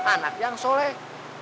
anak yang soleh